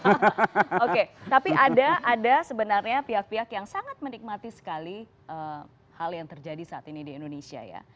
oke tapi ada sebenarnya pihak pihak yang sangat menikmati sekali hal yang terjadi saat ini di indonesia ya